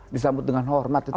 disambut dengan hormat gitu